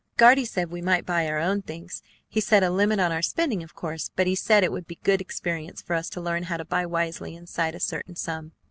Guardy said we might buy our own things. He set a limit on our spending, of course; but he said it would be good experience for us to learn how to buy wisely inside a certain sum."